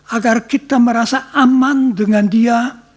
agar kita merasa aman dengan dia